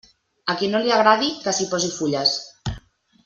A qui no li agradi que s'hi posi fulles.